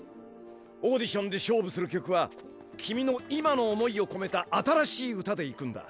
オーディションで勝負する曲は君の今の思いをこめた新しい歌でいくんだ。